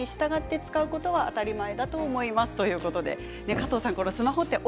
加藤さん